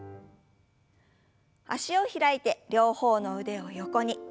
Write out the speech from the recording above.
脚を開いて両方の腕を横に。